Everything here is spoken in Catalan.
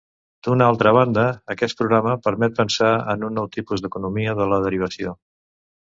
D'una altra banda, aquest programa permet pensar en un nou tipus d'economia de la derivació.